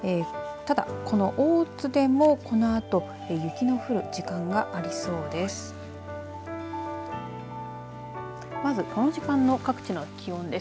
ただこの大津でもこのあと雪の降る時間がありそうです。